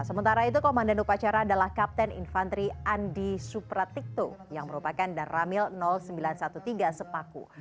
sementara itu komandan upacara adalah kapten infantri andi supratikto yang merupakan daramil sembilan ratus tiga belas sepaku